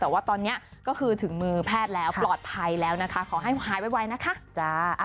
แต่ว่าตอนนี้ก็คือถึงมือแพทย์แล้วปลอดภัยแล้วนะคะขอให้หายไวนะคะ